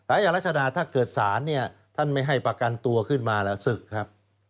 ยารัชดาถ้าเกิดศาลเนี่ยท่านไม่ให้ประกันตัวขึ้นมาแล้วศึกครับ